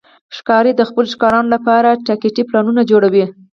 ښکاري د خپلو ښکارونو لپاره تاکتیکي پلانونه جوړوي.